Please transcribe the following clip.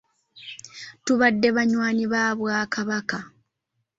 Tubadde banywanyi ba Bwakabaka.